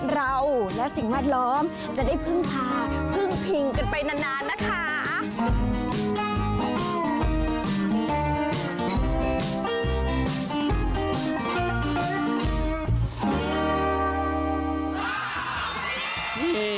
เราและสิ่งแวดล้อมจะได้พึ่งพาพึ่งพิงกันไปนานนะคะ